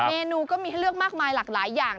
เมนูก็มีให้เลือกมากอย่าง